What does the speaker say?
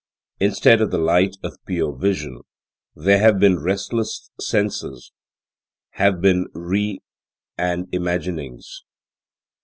Instead of the light of pure vision, there have been restless senses nave been re and imaginings.